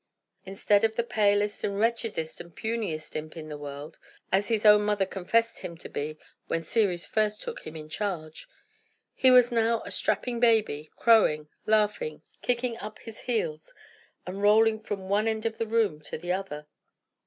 Instead of the palest, and wretchedest, and puniest imp in the world (as his own mother confessed him to be when Ceres first took him in charge), he was now a strapping baby, crowing, laughing, kicking up his heels, and rolling from one end of the room to the other.